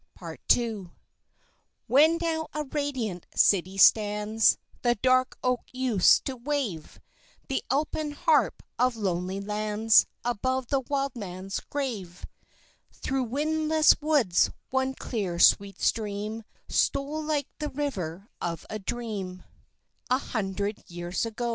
Part II Solo Bass Where now a radiant city stands, The dark oak used to wave, The elfin harp of lonely lands Above the wild man's grave; Through windless woods, one clear, sweet stream (Sing soft and very low) Stole like the river of a dream A hundred years ago.